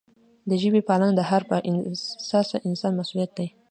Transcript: د ژبې پالنه د هر با احساسه انسان مسؤلیت دی.